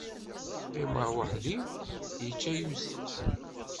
Qqimeɣ weḥd-i, yečča-yi usteqsi.